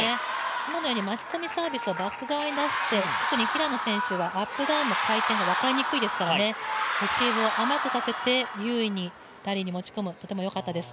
今のように巻き込みサービスをバック側に出して特に平野選手はアップダウンの回転が分かりにくいですからレシーブを甘くさせて、有利にラリーに持ち込む、よかったです。